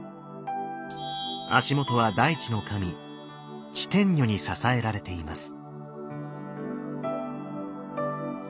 足元は大地の神地天女に支えられています。